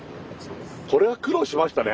これは苦労しましたね。